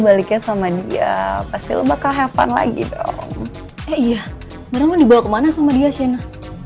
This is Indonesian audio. baliknya sama dia pasti bakal heaven lagi dong iya mereka dibawa kemana sama dia sienna